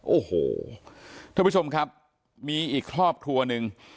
โอ้โหท่านผู้ชมครับมีอีกครอบครัวหนึ่ง